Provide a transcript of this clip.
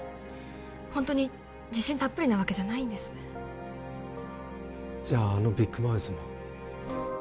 ホントに自信たっぷりなわけじゃないんですじゃああのビッグマウスも？